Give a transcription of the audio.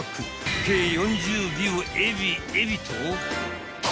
［計４０尾をエビエビと］